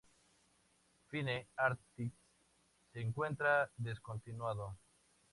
Fine Artist se encuentra descontinuado.